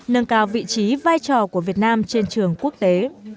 nâng cao vị trí vai trò của việt nam trên trường quốc tế